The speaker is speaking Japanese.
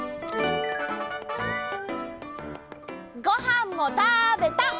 ごはんもたべた！